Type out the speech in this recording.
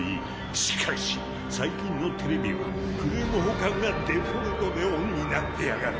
しかし最近のテレビはフレーム補間がデフォルトでオンになってやがる。